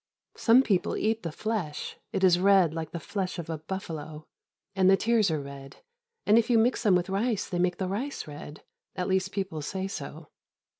Some people eat the flesh, it is red like the flesh of a buffalo; and the tears are red, and if you mix them with rice they make the rice red; at least, people say so.